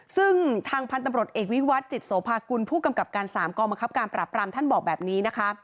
ซึ่งทางพันธุ์ตำรวจเอกวิวัตรจิตโสภากุลผู้กำกับการ๓กองบังคับการปราบรามท่านบอกแบบนี้นะคะ